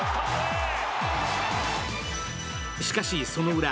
しかしそのウラ